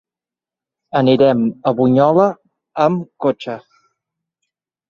Anirem a Bunyola amb cotxe.